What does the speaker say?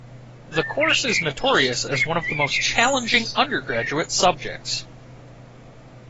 The course is notorious as one of the most challenging undergraduate subjects.